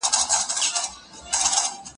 او ته د مور په لیدو